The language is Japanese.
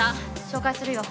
紹介するよ。